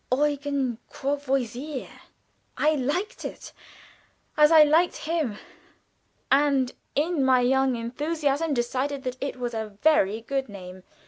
Eugen Courvoisier? I liked it, as I liked him, and in my young enthusiasm decided that it was a very good name.